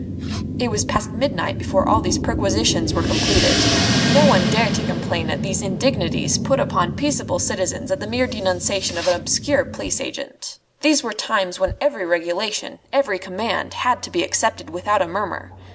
It was past midnight before all these perquisitions were completed. No one dared to complain at these indignities put upon peaceable citizens on the mere denunciation of an obscure police agent. These were times when every regulation, every command, had to be accepted without a murmur.